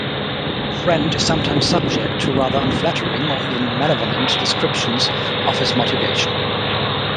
Friend is sometimes subject to rather unflattering or even malevolent descriptions of his motivation.